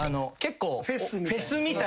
フェスみたいな？